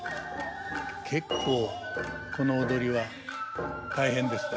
結構この踊りは大変ですね。